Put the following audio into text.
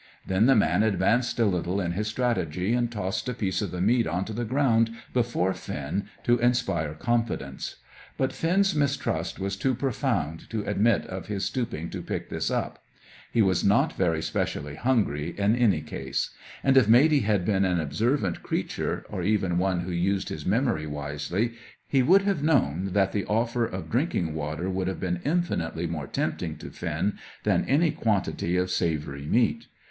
Then the man advanced a little in his strategy, and tossed a piece of the meat on to the ground, before Finn, to inspire confidence. But Finn's mistrust was too profound to admit of his stooping to pick this up. He was not very specially hungry, in any case; and if Matey had been an observant creature, or even one who used his memory wisely, he would have known that the offer of drinking water would have been infinitely more tempting to Finn than any quantity of savoury meat.